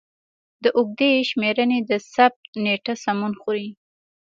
د اوږدې شمېرنې د ثبت نېټه سمون خوري.